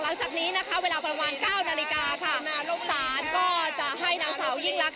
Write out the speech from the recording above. หลังจากนี้นะคะเวลาประมาณ๙นาฬิกาค่ะลงศาลก็จะให้นางสาวยิ่งรัก